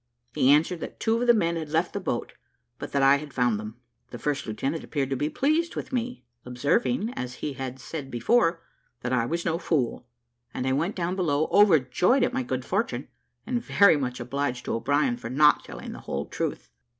He answered that two of the men had left the boat, but that I had found them. The first lieutenant appeared to be pleased with me, observing, as he had said before, that I was no fool, and I went down below overjoyed at my good fortune, and very much obliged to O'Brien for not telling the whole truth.